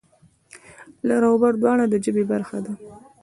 لر و بر دواړه د ژبې برخه دي.